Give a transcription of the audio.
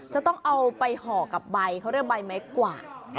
จะต้องเอาไปห่อกับใบเขาเรียกใบไม้กวาด